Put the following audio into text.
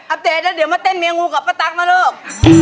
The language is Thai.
อัพเดทอะเดี๋ยวมาเต้นเมียงูกับปะตั๊กมาลูก